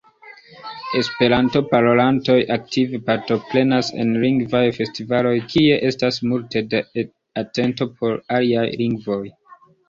Esperanto-parolantoj aktive partoprenas en lingvaj festivaloj kie estas multe da atento por aliaj lingvoj.